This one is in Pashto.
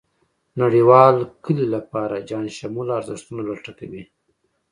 نړېوال کلي لپاره جهانشمولو ارزښتونو لټه کوي.